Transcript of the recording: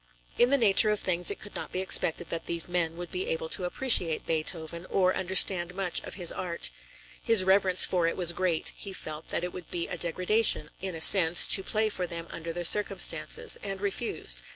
In the nature of things it could not be expected that these men would be able to appreciate Beethoven, or understand much of his art. His reverence for it was great; he felt that it would be a degradation, in a sense, to play for them under the circumstances, and refused.